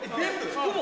服も？